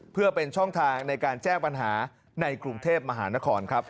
เพื่อเป็นช่องทางในการแจ้งปัญหาในกรุงเทพมหานครครับ